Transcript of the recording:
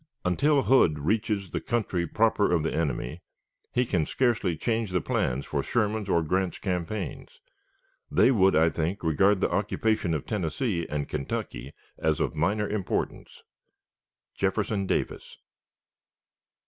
"Until Hood reaches the country proper of the enemy, he can scarcely change the plans for Sherman's or Grant's campaigns. They would, I think, regard the occupation of Tennessee and Kentucky as of minor importance. "JEFFERSON DAVIS."